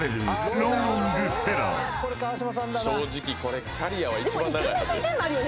正直これキャリアは一番長いはずよ。